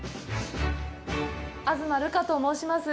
東留伽と申します。